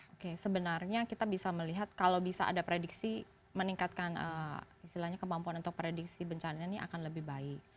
oke sebenarnya kita bisa melihat kalau bisa ada prediksi meningkatkan istilahnya kemampuan untuk prediksi bencana ini akan lebih baik